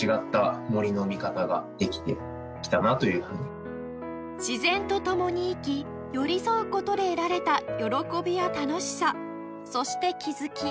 岸上さんの自然と共に生き寄り添う事で得られた喜びや楽しさそして気づき